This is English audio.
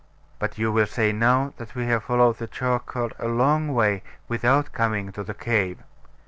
But you will say now that we have followed the chalk cart a long way, without coming to the cave.